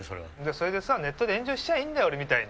それでさネットで炎上しちゃーいいんだよ俺みたいに！